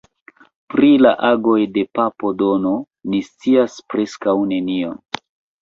Pri la agoj de papo Dono ni scias preskaŭ nenion.